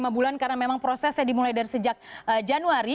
lima bulan karena memang prosesnya dimulai dari sejak januari